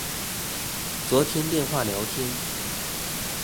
昨天電話聊天